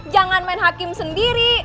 jangan main hakim sendiri